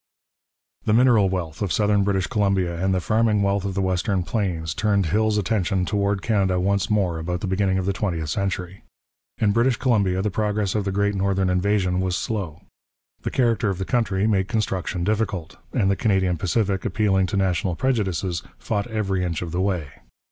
The mineral wealth of southern British Columbia and the farming wealth of the western plains turned Hill's attention toward Canada once more about the beginning of the twentieth century. In British Columbia the progress of the Great Northern invasion was slow. The character of the country made construction difficult, and the Canadian Pacific, appealing to national prejudices, fought every inch of the way.